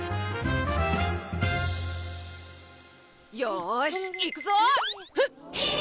よーしいくぞ！